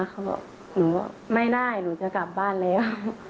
เขาบอกหนูว่าไม่ได้หนูจะกลับบ้านแล้ว